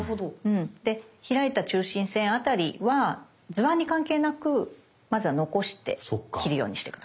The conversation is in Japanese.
開いた中心線あたりは図案に関係なくまずは残して切るようにして下さい。